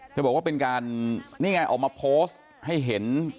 บอกว่าเป็นการนี่ไงออกมาโพสต์ให้เห็น